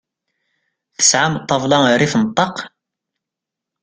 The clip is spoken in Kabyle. Tesɛam ṭabla rrif n ṭaq?